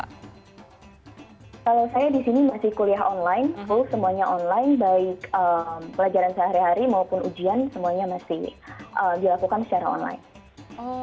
kalau saya di sini masih kuliah online full semuanya online baik pelajaran sehari hari maupun ujian semuanya masih dilakukan secara online